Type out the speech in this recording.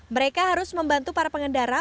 mereka harus membantu para pengendara